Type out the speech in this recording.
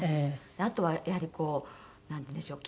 あとはやはりこうなんていうんでしょう